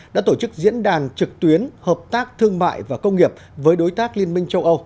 đã tổ chức diễn đàn trực tuyến hợp tác thương mại và công nghiệp với đối tác liên minh châu âu